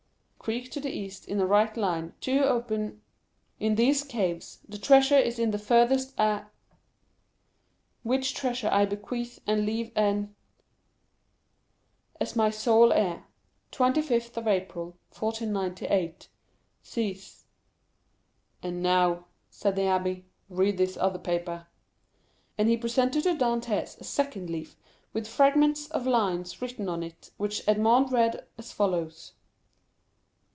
creek to the east in a right line. Two open... in these caves; the treasure is in the furthest a... which treasure I bequeath and leave en... as my sole heir. "25th April, 1498. "Cæs... "And now," said the abbé, "read this other paper;" and he presented to Dantès a second leaf with fragments of lines written on it, which Edmond read as follows